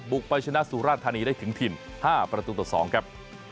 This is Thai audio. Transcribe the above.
ไปชนะสุราธานีได้ถึงทีม๕ประตูต่อ๒ครับ